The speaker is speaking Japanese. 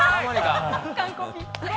完コピ。